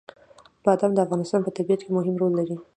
بادام د افغانستان په طبیعت کې مهم رول لري.